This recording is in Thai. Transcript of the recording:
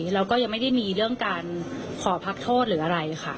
แล้วก็ยังไม่ได้มีเรื่องการขอพักโทษหรืออะไรค่ะ